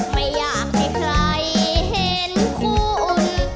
ไม่อยากให้ใครเห็นคุณ